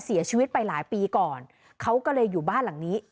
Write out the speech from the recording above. เสียชีวิตไปหลายปีก่อนเขาก็เลยอยู่บ้านหลังนี้